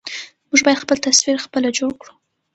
موږ بايد خپل تصوير خپله جوړ کړو.